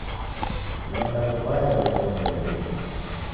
Ghenda kuw'aye w'eke ongolua.